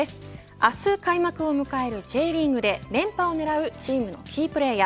明日開幕を迎えるＪリーグで連覇を狙うチームのキープレイヤー。